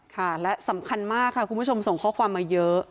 ค่ะและสำคัญมากค่ะคุณผู้ชมส่งข้อความมาเยอะ